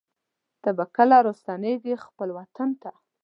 ته به کله راستنېږې خپل وطن ته